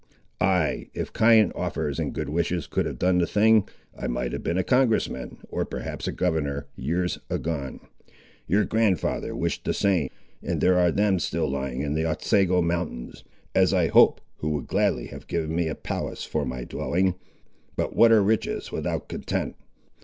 Ay, if kind offers and good wishes could have done the thing, I might have been a congress man, or perhaps a governor, years agone. Your grand'ther wished the same, and there are them still lying in the Otsego mountains, as I hope, who would gladly have given me a palace for my dwelling. But what are riches without content!